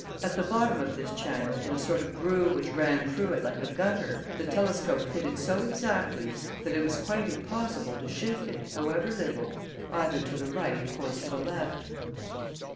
At the bottom of this channel, in a sort of groove which ran through it like a gutter, the telescope fitted so exactly that it was quite impossible to shift it, however little, either to the right or to the left.